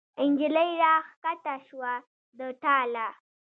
نجلۍ را کښته شوه د ټاله